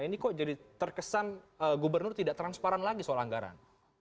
ini kok jadi terkesan gubernur tidak transparan lagi soal anggaran